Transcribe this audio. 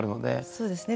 そうですね